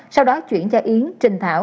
sau đó chuyển cho yến trình thảo